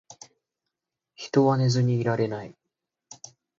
人は寝ずにはいられない